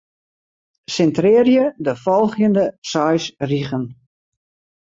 Sintrearje de folgjende seis rigen.